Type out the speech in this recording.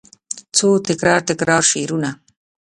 څو تکرار، تکرار شعرونه